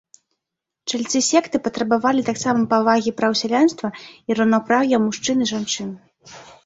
Чальцы секты патрабавалі таксама павагі праў сялянства і раўнапраўя мужчын і жанчын.